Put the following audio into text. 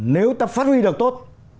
nếu ta phát huy được tốt